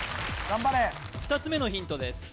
頑張れ２つ目のヒントです